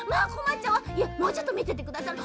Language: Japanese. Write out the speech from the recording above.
もうちょっとみててくださる？